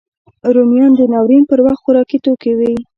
رومیان د ناورین پر وخت خوارکي توکی وي